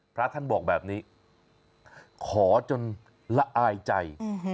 พระท่านบอกแบบนี้ขอจนละอายใจ